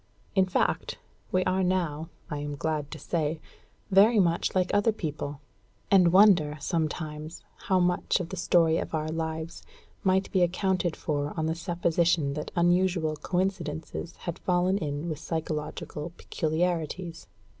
In fact, we are now, I am glad to say, very much like other people; and wonder, sometimes, how much of the story of our lives might be accounted for on the supposition that unusual coincidences had fallen in with psychological peculiarities.